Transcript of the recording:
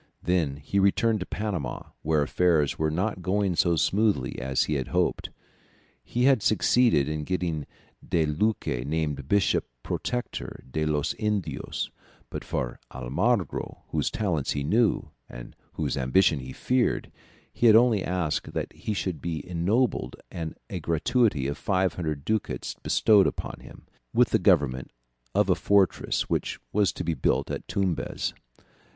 Then he returned to Panama, where affairs were not going so smoothly as he had hoped. He had succeeded in getting De Luque named Bishop protector de los Indios; but for Almagro, whose talents he knew, and whose ambition he feared, he had only asked that he should be ennobled and a gratuity of 500 ducats bestowed upon him, with the government of a fortress which was to be built at Tumbez.